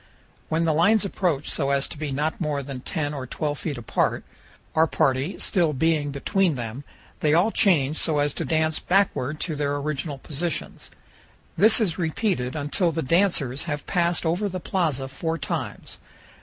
When the lines approach so as to be not more than 10 or 12 feet apart, our party still being between them, they all change so as to dance backward to their original positions. This is repeated until the dancers have passed over the plaza four times.